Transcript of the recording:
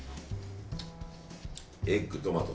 エッグ、トマト。